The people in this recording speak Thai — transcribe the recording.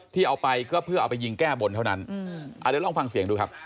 ที่เอาไปก็เพื่อเอาไปยิงแก้บนเท่านั้นเดี๋ยวลองฟังเสียงดูครับ